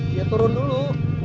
dia turun dulu